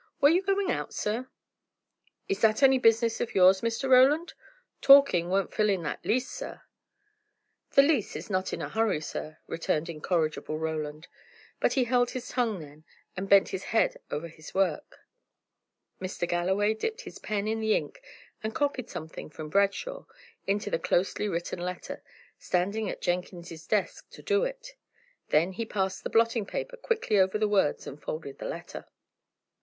"Were you going out, sir?" "Is that any business of yours, Mr. Roland? Talking won't fill in that lease, sir." "The lease is not in a hurry, sir," returned incorrigible Roland. But he held his tongue then, and bent his head over his work. Mr. Galloway dipped his pen in the ink, and copied something from "Bradshaw" into the closely written letter, standing at Jenkins's desk to do it; then he passed the blotting paper quickly over the words, and folded the letter.